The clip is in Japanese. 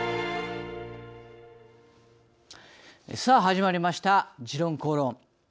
さあ、始まりました「時論公論」。